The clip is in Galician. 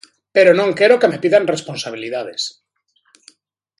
Pero non quero que me pidan responsabilidades!